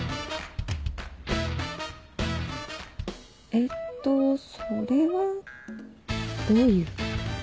えっとそれはどういう？